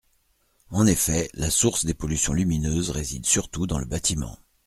En effet, la source des pollutions lumineuses réside surtout dans le bâtiment.